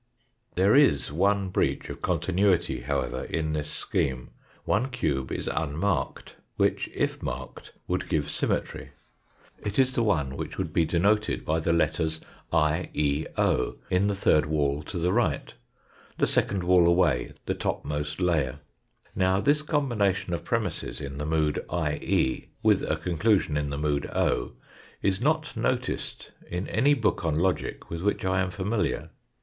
There is one breach of continuity however in this scheme. One cube is Fig. 57. unmarked, which if marked would give symmetry. It is the one which would be denoted by the THE USE OF FOUR DIMENSIONS IN THOUGHT 103 letters I, E, o, in the third wall to the right, the second wall away, the topmost layer. Now this combination of premisses in the mood IE, with a conclusion in the mood o, is not noticed in any book on logic with which I am familiar.